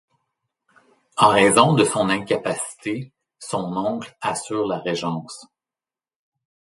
En raison de son incapacité, son oncle assure la régence.